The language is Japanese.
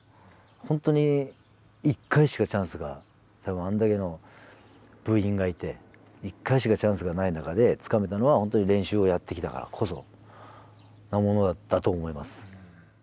本当に１回しかチャンスが多分あんだけの部員がいて１回しかチャンスがない中でつかめたのは本当に練習をやってきたからこそのものだったと思います。